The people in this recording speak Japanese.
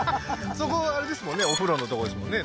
そこあれですもんねお風呂のとこですもんね